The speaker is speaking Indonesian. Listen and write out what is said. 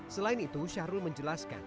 selain itu syahrul menjelaskan